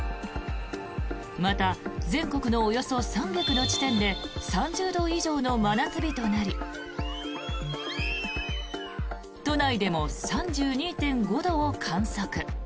また全国のおよそ３００の地点で３０度以上の真夏日となり都内でも３２．５度を観測。